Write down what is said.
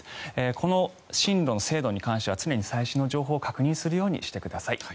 この進路の精度に関しては常に最新の情報を確認するようにしてください。